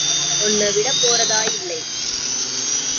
ஒன்ன விடப் போறதாய் இல்ல.